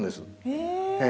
へえ！